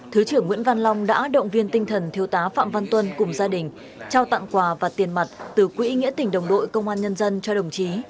thứ trưởng nguyễn văn long đã động viên tinh thần thiếu tá phạm văn tuân cùng gia đình trao tặng quà và tiền mặt từ quỹ nghĩa tỉnh đồng đội công an nhân dân cho đồng chí